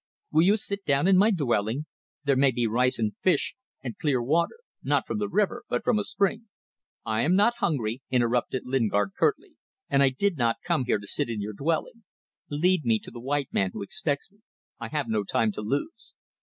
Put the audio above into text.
Will you sit down in my dwelling? There may be rice and fish and clear water not from the river, but from a spring ..." "I am not hungry," interrupted Lingard, curtly, "and I did not come here to sit in your dwelling. Lead me to the white man who expects me. I have no time to lose."